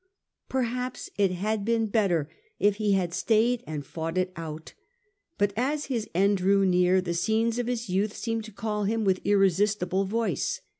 Perhaps it had been better if he had stayed and fought it out But as his end drew near, the scenes of his youth seemed to call him with an irresistible voice.